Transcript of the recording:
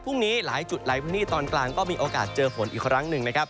พรุ่งนี้หลายจุดหลายพื้นที่ตอนกลางก็มีโอกาสเจอฝนอีกครั้งหนึ่งนะครับ